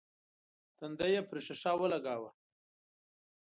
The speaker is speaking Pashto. تندی يې پر ښيښه ولګاوه.